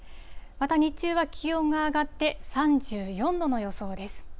また日中は気温が上がって、３４度の予想です。